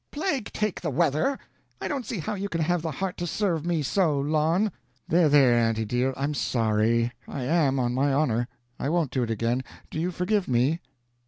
"Plague take the weather! I don't see how you can have the heart to serve me so, Lon." "There, there, aunty dear, I'm sorry; I am, on my honor. I won't do it again. Do you forgive me?"